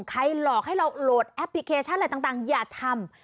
หลอกให้เราโหลดแอปพลิเคชันอะไรต่างอย่าทำ